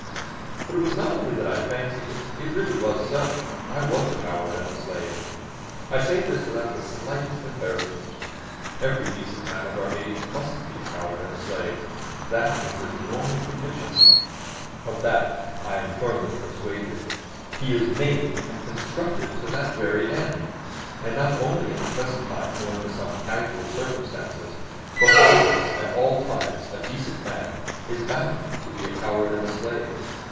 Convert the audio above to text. But it was not only that I fancied it, it really was so. I was a coward and a slave. I say this without the slightest embarrassment. Every decent man of our age must be a coward and a slave. That is his normal condition. Of that I am firmly persuaded. He is made and constructed to that very end. And not only at the present time owing to some casual circumstances, but always, at all times, a decent man is bound to be a coward and a slave.